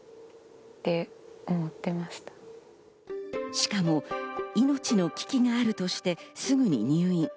しかも命の危機があるとして、すぐに入院。